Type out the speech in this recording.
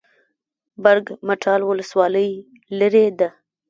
برګ مټال ولسوالۍ لیرې ده؟